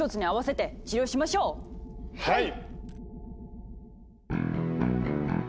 はい！